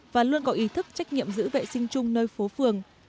và luôn có ý thức trách nhiệm giữ vệ sinh chung nơi phố phường